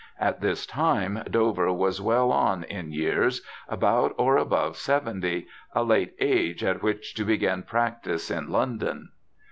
At this time Dover was well on in years, about or above seventy, a late age at which to begin practice in London.